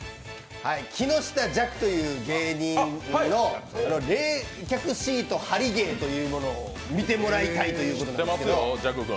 木下弱という芸人の冷却シート貼り芸というものを見てもらいたいということなんですけど。